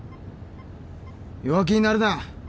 弱気になるな！